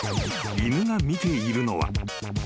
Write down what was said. ［犬が見ているのは］